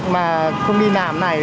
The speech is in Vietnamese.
mà không đi làm này